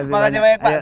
terima kasih banyak